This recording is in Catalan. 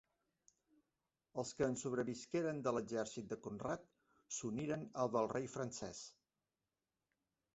Els que en sobrevisqueren de l'exèrcit de Conrad s'uniren al del rei francès.